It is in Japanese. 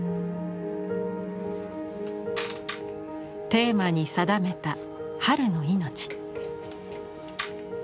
テーマに定めた「春の命」。